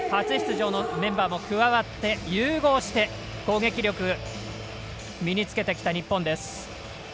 初出場のメンバーも加わって融合して、攻撃力を身につけてきた日本です。